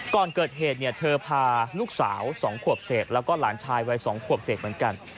ก่อนเกิดเหตุเธอพาลูกสาว๒ขวบเศษแล้วก็หลานชายวัย๒ขวบเศษเหมือนกัน